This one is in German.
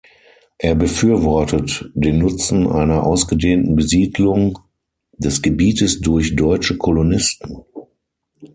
Er befürwortet den Nutzen einer ausgedehnten Besiedlung des Gebietes durch deutsche Kolonisten.